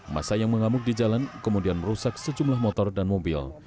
masa yang mengamuk di jalan kemudian merusak sejumlah motor dan mobil